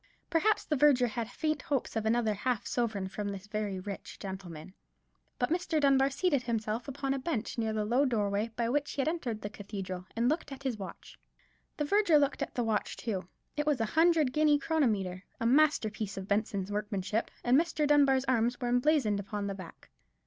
Perhaps the verger had faint hopes of another half sovereign from this very rich gentleman. But Mr. Dunbar seated himself upon a bench near the low doorway by which he had entered the cathedral, and looked at his watch. The verger looked at the watch too; it was a hundred guinea chronometer, a masterpiece of Benson's workmanship; and Mr. Dunbar's arms were emblazoned upon the back.